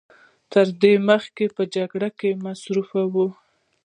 تر دې مخکې به په جګړو کې مصروف و.